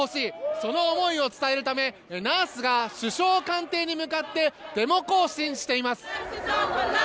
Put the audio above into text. その思いを伝えるためナースが首相官邸に向かってデモ行進しています。